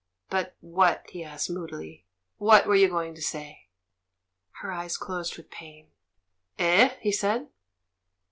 "But what?" he asked, moodily. "What were you going to say?" Her eyes closed with pain. "Eh?" he said.